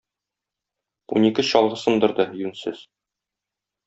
Унике чалгы сындырды, юньсез!